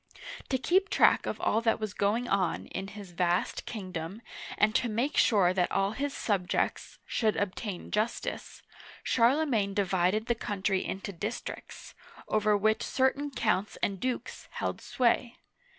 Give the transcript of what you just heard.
To keep track of all that was going on in his vast king dom, and to make sure that all his subjects should .obtain justice, Charlemagne divided the country into districts, over which certain counts and dukes held sway.